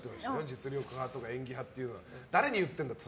実力派とか演技派というのは誰に言ってるんだって。